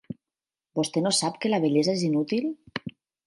Vostè no sap que la bellesa és inútil?